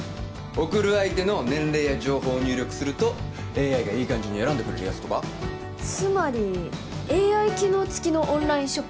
贈る相手の年齢や情報を入力するとＡＩがいい感じに選んでくれるやつとかつまりＡＩ機能つきのオンラインショップ